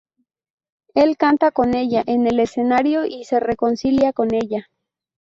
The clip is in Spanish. Él canta con ella en el escenario y se reconcilia con ella.